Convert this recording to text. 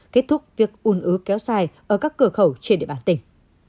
kết thúc việc un ứ kéo sai ở các cửa khẩu trên địa bàn tỉnh